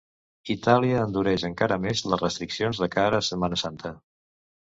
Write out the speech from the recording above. Itàlia endureix encara més les restriccions de cara a Setmana Santa.